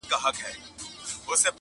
o پر ښوتلوار، پر بدو تامل!